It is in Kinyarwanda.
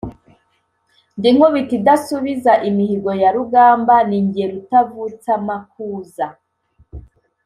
ndi Nkubito idasubiza imihigo ya rugamba, ni jye Rutavutsamakuza.